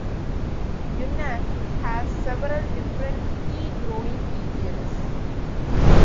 Yunnan has several different tea growing regions.